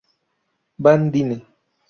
Van Dine.